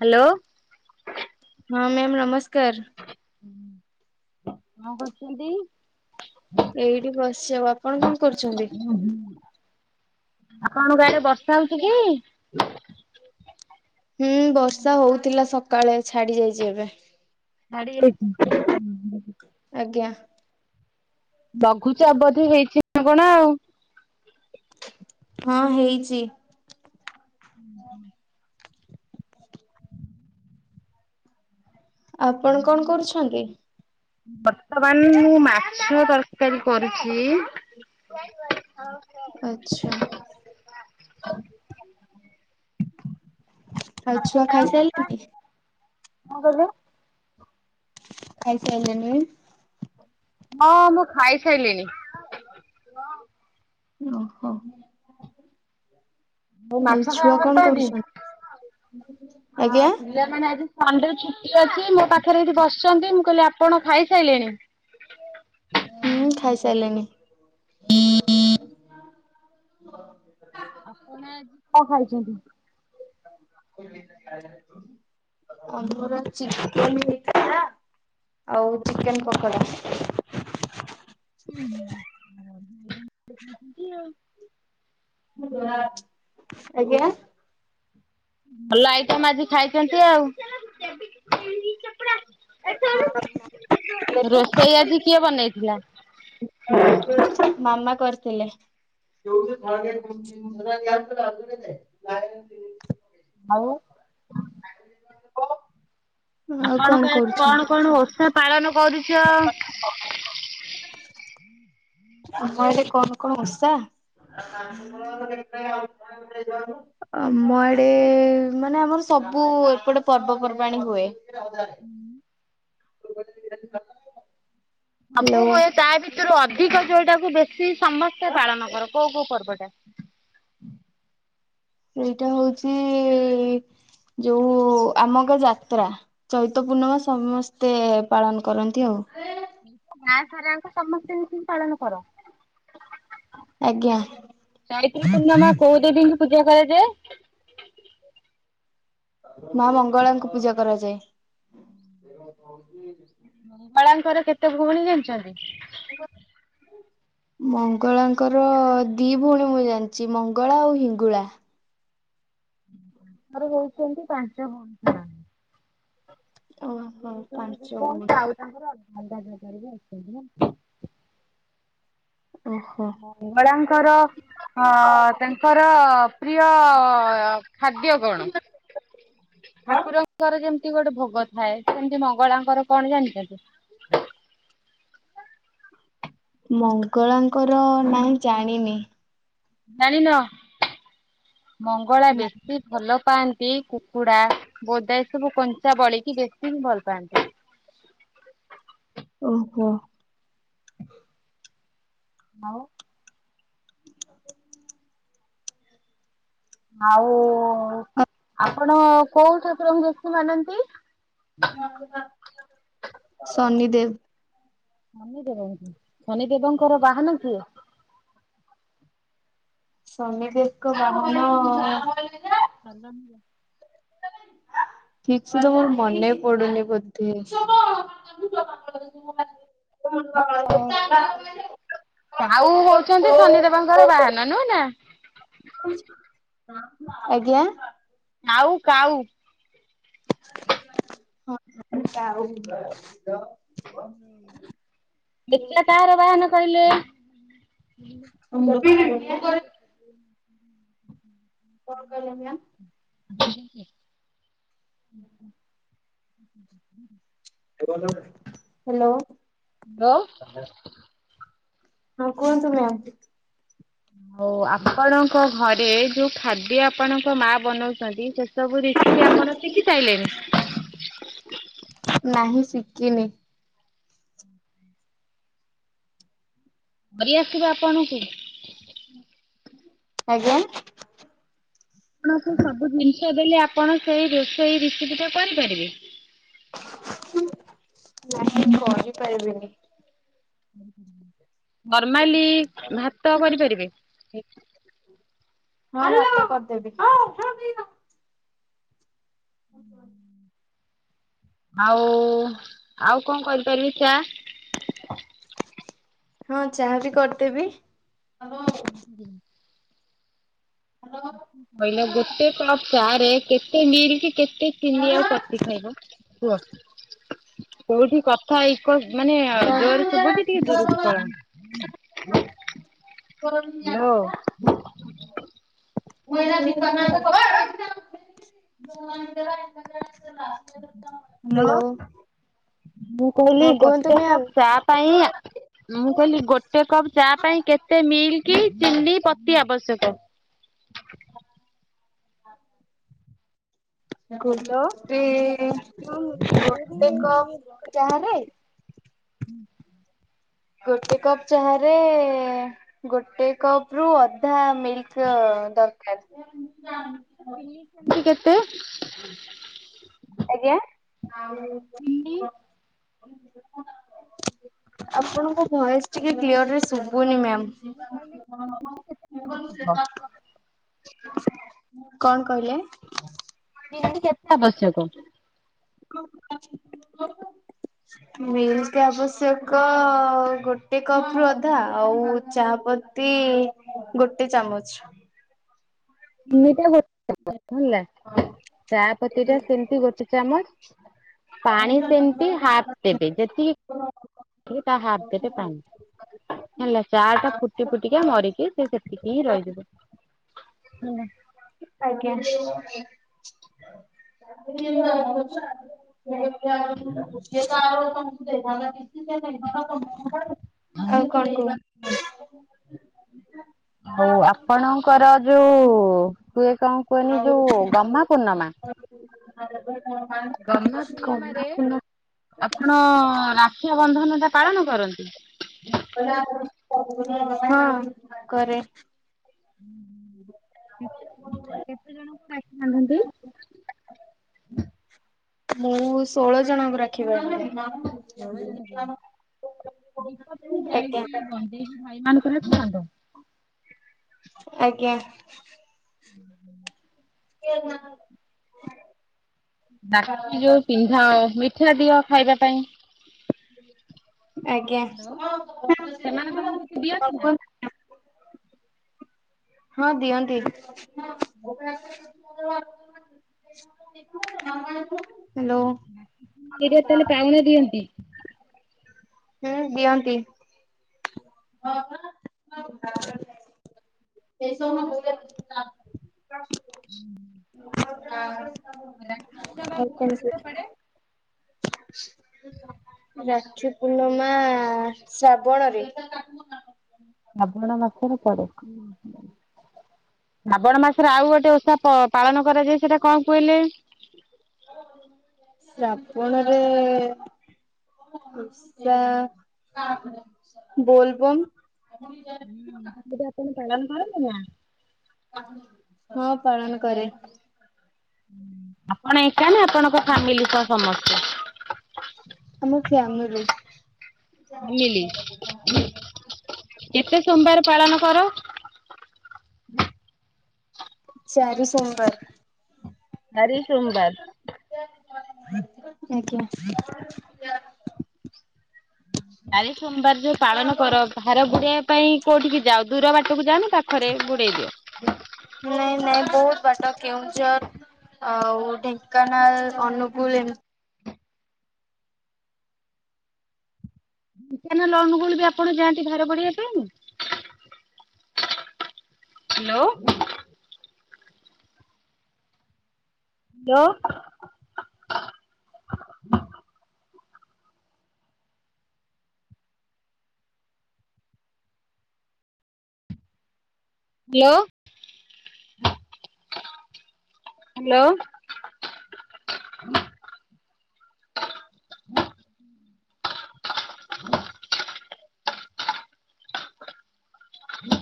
Hello. ହଁ ma'am ନମସ୍କାର। ହୁଁ କଁ କରୁଚନ୍ତି। ଏଇଠି ବସିଛି ଆଉ ଆପଣ କଣ କରୁଛନ୍ତି। ଆପଣଙ୍କ ଆଡେ ବର୍ଷା ହୋଉଚି କି। [inaudible] ହୁଁ ବର୍ଷା ହୋଉଥିଲା ସକାଳେ ଛାଡି ଯାଇଚି ଏବେ। ଛାଡ଼ିଯାଇଚି ଉଁହୁଁ। ଆଜ୍ଞା। ଲଘୁଚାପ ବୋଧେ ହେଇଚି ନା କଣ ଆଉ। ହଁ ହେଇଚି। ଉଁହୁଁ। ଆପଣ କଣ କରୁଛନ୍ତି। ବର୍ତ୍ତମାନ ମୁଁ ମାଛ ତରକାରୀ କରୁଛି। [unintelligible] ଆଚ୍ଛା। ଆଉ ଛୁଆ ଖାଇସାଇଲେଣି। କଁ କହିଲେ। ଖାଇସାଇଲେନି। ହଁ ମୁଁ ଖାଇସାଇଲିଣି। ଓହୋ। ଆଉ ମାଛ ଛୁଆ ଖାଇବାକୁ ଭଲ କଣ ପାଆନ୍ତି କରୁଛନ୍ତି? ଅଁ ଆଜ୍ଞା। ପିଲା ମାନେ ଆଜି ସଣ୍ଡେରେ ଛୁଟି ଅଛି ମୋ ପାଖେରେ ଏଇଠି ବସିଛନ୍ତି ମୁଁ କହିଲି ଆପଣ ଖାଇସାଇଲେଣି। ହୁଁ ଖାଇସାଇଲେଣି। ହ ଆପଣ ଆଜି କଣ ଖାଇଛନ୍ତି? ଆମର ଚିକେନ ହେଇଥିଲା ଆଉ ଚିକେନ ପକୋଡା। ହୁଁ। ଆଜ୍ଞା ଭଲ ଆଇଟମ୍ ଆଜି ଖାଇଛନ୍ତି ଆଉ। ହଁ। ରୋଷେଇ ଆଜି କିଏ ବନେଇଥିଲା? ମାମା କରିଥିଲେ। [unintelligible] ଆଉ କ ଆପଣଙ୍କ ଆଡେ କଣ କଣ ଓଷା ପାଳନ କରୁଛ? ଆମ ଆଡେ କଣ କଣ ଓଷା? ଆ କେ ଯକୁ ଆମ ଆଡେ ମାନେ ଆମର ସବୁ ଏପଟେ ପର୍ବପର୍ବାଣୀ ହୁଏ। ଗ ସବୁ ହୁଏ ତା ଭିତରୁ ଅଧିକ ଯୋଉଟାକୁ ବେଶୀ ସମସ୍ତେ ପାଳନ କର, କୋଉ କୋଉ ପର୍ବଟା? ସେଇଟା ହଉଛି ଯୋଉ ଆମ ଗାଁ ଯାତ୍ରା। ଚୈତ ପୂର୍ଣ୍ଣିମା ସମସ୍ତେ ପାଳନ କରନ୍ତି ଆଉ। ଗାଁ ସାରାଙ୍କ ସମସ୍ତେ ମିଶି ପାଳନ କର। ଆଜ୍ଞା ଚୈତ୍ର ପୂର୍ଣ୍ଣିମା କୋଉ ଦେବୀଙ୍କୁ ପୂଜା କରାଯାଏ? ମା ମଙ୍ଗଳାଙ୍କୁ ପୂଜା କରାଯାଏ। ହ ମଙ୍ଗଳାଙ୍କର କେତେ ଭଉଣୀ ଜାଣିଛନ୍ତି? ହ ମଙ୍ଗଳାଙ୍କର ଦି ଭଉଣୀ ମୁଁ ଜାଣିଛି ମଙ୍ଗଳା ଆଉ ହିଙ୍ଗୁଳା। ଆର ହଉଛନ୍ତି ପାଞ୍ଚ ଭଉଣୀ। ଏଇ ଓହୋ ଜାଗାରେ ପାଞ୍ଚ ଦି ଭଉଣୀ, ଆଉ ତାଙ୍କର ଜାଗାରେ ବି ଅଛନ୍ତି। ଓ ହୋ। ମଙ୍ଗଳାଙ୍କର ହଁ ତାଙ୍କର ପ୍ରିୟ ଖାଦ୍ୟ କଣ? ଠାକୁରଙ୍କର ଯେମିତି ଗୋଟେ ଭୋଗ ଥାଏ, ସେମିତି ମଙ୍ଗଳାଙ୍କର କଣ ଜାଣିଛନ୍ତି? ମଙ୍ଗଳାଙ୍କର ନାଇଁ ଜାଣିନି। ଜାଣିନ ମଙ୍ଗଳା ବେଶୀ ଭଲ ପାଆନ୍ତି କୁକୁଡା, ବୋଦା ଏ ସବୁ କଞ୍ଚା ବଳିକି ବେଶୀ ହିଁ ଭଲ ପାଆନ୍ତି। ଓ ହୋ। ଆଉ ଆଉ ଆପଣ କୋଉ ଠାକୁରଙ୍କୁ ବେଶୀ ମାନନ୍ତି? ଶନିଦେବ। ଶନିଦେବଙ୍କର ବାହନକୁ। ଶନିଦେବଙ୍କ ବାହନ [unintelligible] ଆ ଠିକ୍ ସେ ତ ମୋର ମନେ ପଡୁନି ବୋଧେ? ମୋ ମୁଣ୍ଡ ପାଗଳ ହେଇଯାଉଚି। କାଉ ହଉଚନ୍ତି ଶନିଦେବଙ୍କର ବାହାନ ନୁହେଁ ନା? ଆଜ୍ଞା। ଆଉ କାଉ ହଁ ହଁ କାଉ। ମିଥ୍ୟା କାହାର ବାହାନ କହିଲେ? [unintelligible] ହ ହଁ କଣ କହିଲ ମ୍ୟାମ୍? [inaudible] ହାଲୋ। ବଉ ହଁ କୁହନ୍ତୁ ମ୍ୟାମ୍? ହଉ ଆପଣଙ୍କ ଘରେ ଯୋଉ ଖାଦ୍ୟ ଆପଣଙ୍କ ମା ବନଉଚନ୍ତି ସେ ସବୁ ରିସିପି ଆପ୍ ପଣ ଶିଖି ସାଇଲେଣି? ନାହିଁ ଶିକିନି। ହ ହ ଭରି ଆସିବ ଆପଣଙ୍କୁ? ଆଜ୍ଞା। ଆପଣଙ୍କୁ ସବୁ ଜିନିଷ ଦେଲେ ଆପଣ ସେଇ ରୋଷେଇ ରିସିପି ଟା କରିପାରିବେ? ନାହିଁ କରି ପାରିବିନି। ନର୍ମାଲି ଭାତ କରିପାରିବେ? ହଁ ଭାତ କରଦେବି। ଆହ ଆଉ ଆଉ କଣ କରିପାରିବି ଚା? ହଁ ଚାହା ବି କରଦେବି। [unintelligible] ହାଲୋ। କହିଲ ଗୋଟେ କପ୍ ଚା ରେ କେତେ ମିଲ୍କ କେତେ ଚିନି ଆଉ ପତି ଖାଇବ? କୁହ କୋଉଠି କଥା ଇକ ମାନେ ଆ ଜୋରେ ଶୁଭୁଚି ଟିକେ ଦୂରୁକୁ ପଳା। [unintelligible] ମୁଁ ଏଇନା ଦୀପା ନାଁ କେ କଥା [unintelligible] ହ୍ୟାଲୋ। ମୁଁ କହିଲି ହଁ କୁହନ୍ତୁ ଗୋଟେ କପ ମ୍ୟାମ୍। ଚା ପାଇଁ ଆ ମୁଁ କହିଲି ଗୋଟେ କପ୍ ଚା ପାଇଁ କେତେ ମିଲ୍କି, ଚିନି, ପତି ଆବଶ୍ୟକ? ହଁ [inaudible] ଗୋ ହ୍ୟାଲୋ ଟ୍ରି ଇ ଇ ଗୋଟେ କପ୍ ଚାହା ରେ [inaudible] ହୁଁ। ଗୋଟେ କପ ଚାହାରେ ଏ ଏ ଏ ଗୋଟେ କପ୍ ରୁ ଅଧା ମିଲ୍କ ଦରକାର। ଚିନି ସେମତି କେତେ? ଆଜ୍ଞା। ଚିନି ଆପଣଙ୍କ ଭଏସ୍ ଟିକେ କ୍ଲିଅରରେ ଶୁବୁନି ମ୍ୟାମ୍। [inaudible] କଣ କହିଲେ? କି ଯାଣି କେତେ ଆବଶ୍ୟକ? [inaudible] ମିଲ୍କି ଆବଶ୍ୟକ ଗୋଟେ କପ୍ ରୁ ଅଧା ଆଉ ଚାପତ ତି ଗୋଟେ ଚାମଚ। ଟା ଗୋଟେ ହବ ହେଲା। ଚା ପତି ଟା ସେମିତି ଗୋଟେ ଚାମଚ ପାଣି ସେମିତି ହାପ୍ ଦେବେ ଯେତିକି ତା ହାପ୍ ଦେବେ ପାଣି। ହେଲା ଚା ଟା ଫୁଟି ଫୁଟିକା ମରିକି ସେ ସେତିକି ହିଁ ରହିଯିବ। ହୁଁ। ଆଜ୍ଞା। [inaudible] ଆଉ କଣ କୁହ? ହୋଉ ଆପଣଙ୍କର ଯୋଉ ତୁଏ କଣ କୁହନି ଯୋଉ ଗମ୍ମା ପୂର୍ଣ୍ଣମା। ଗହ୍ମା କ। ପୂର୍ଣ୍ଣମାରେ ଆପଣ ରାକ୍ଷା ବନ୍ଧନ ଟା ପାଳନ କରନ୍ତି। ହଁ କରେ। କେତେ ଜଣଙ୍କୁ ରାକ୍ଷି ବାନ୍ଧନ୍ତି। [inaudible] ମୁଁ ଷୋହଳ ଜଣଙ୍କୁ ରାକ୍ଷି ବାନ୍ଧେ। ଆଜ୍ଞା [unintelligible] ଆଜ୍ଞା। ହୁଁ ହ। [inaudible] ରାଖୀ ଯୋଉ ପିନ୍ଧାଅ ମିଠା ଦିଅ ଖାଇବା ପାଇଁ ଆଜ୍ଞା। ସେମାନେ ହଁ ଦିଅନ୍ତି। [inaudible] ଏଇରିଆ ତାହେଲେ ପାଉଣା ଦିଅନ୍ତି। ହୁଁ ଦିଅନ୍ତି। ହଁ ପା [inaudible] [inaudible] ରାକ୍ଷୀ ପୁର୍ଣମା ଶ୍ରାବଣରେ। ଶ୍ରାବଣ ମାସରେ ପଡେ। ଶ୍ରାବଣ ମାସରେ ଆଉ ଗୋଟେ ଓଷା ପ ପାଳନ କରାଯାଏ ସେଇଟା କଣ କୁହିଲେ? ଶାବଣ ରେ ଓଷା ବୋଲବମ୍। ହୁଁ ଦିଦି ଆପଣ ପାଳନ କରନ୍ତି ନା। ହଁ ପାଳନ କରେ। ଆପଣ ଏକା ନା ଆପଣଙ୍କ ଫାମିଲି ସହ ସମସ୍ତେ। ଆମ ଫ୍ୟାମିଲି। ଫ୍ୟାମିଲି। କେତେ ସୋମବାର୍ ପାଳନ କର? ଚାରି ସୋମବାର୍। ଆରି ସୋମବାର୍। ଆଜ୍ଞା। ଚାରି ସୋମବାର୍ ଯୋଉ ପାଳନ କର ଭାର ବୁଡେଇବା ପାଇଁ କୋଉଠିକି ଯାଅ ଦୂର ବାଟକୁ ଯାଆନା ପା- ଖରେ ବୁଡ଼େଇ ଦିଅ। ନାଇଁ ନାଇଁ ବୋହୁତ୍ ବାଟ କେଉଁଝର୍ ଆଉ ଢେଙ୍କାନାଳ ଅନୁଗୁଳ ଏମ୍ ଢେଙ୍କାନାଲ୍ ଅନୁଗୁଳ୍ ବି ଆପଣ ଯାଆନ୍ତି ଭାର ବୁଢେଇବା ପାଇଁ। ହାଲୋ। ହାଲୋ। Hello hello.